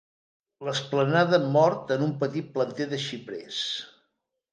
L'esplanada mor en un petit planter de xiprers.